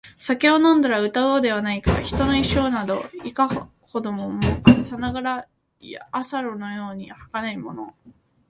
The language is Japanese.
酒を飲んだら歌おうではないか／人の一生など、いかほどのものか／さながら朝露のように儚いもの